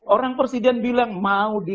orang presiden bilang mau di